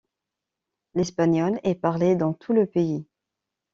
L'espagnol est parlé dans tout le pays.